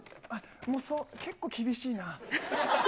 もう、結構厳しいな。